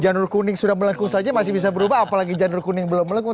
janur kuning sudah melengkung saja masih bisa berubah apalagi janur kuning belum melengkung